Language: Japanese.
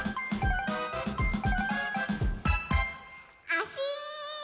あし！